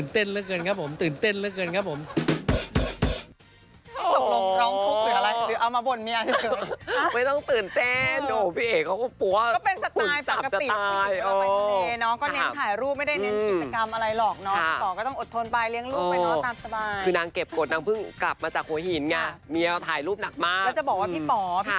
ต้องร้องทุกข์หรืออะไรหรือเอามาบ่นเมียหน่อย